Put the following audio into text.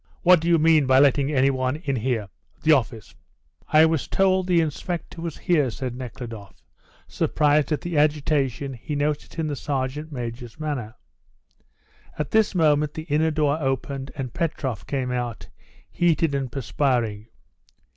"What do you mean by letting any one in here? The office. ..." "I was told the inspector was here," said Nekhludoff, surprised at the agitation he noticed in the sergeant major's manner. At this moment the inner door opened, and Petrov came out, heated and perspiring.